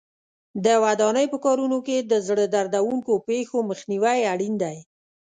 د ودانۍ په کارونو کې د زړه دردوونکو پېښو مخنیوی اړین دی.